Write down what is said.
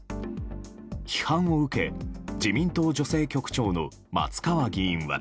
批判を受け自民党女性局長の松川議員は。